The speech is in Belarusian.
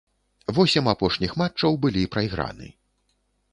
Восем апошніх матчаў былі прайграны.